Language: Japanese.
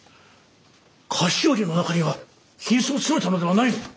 菓子折の中には金子を詰めたのではないのか？